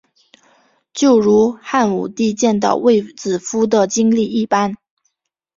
就如汉武帝见到卫子夫的经历一般。